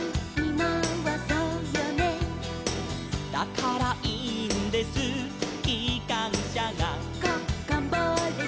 「だからいいんですきかんしゃが」